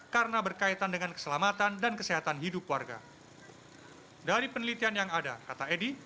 karena berkaitan dengan keselamatan dan kesehatan hidup warga dari penelitian yang ada kata edi